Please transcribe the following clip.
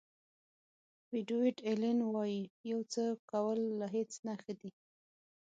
ډیویډ الین وایي یو څه کول له هیڅ نه ښه دي.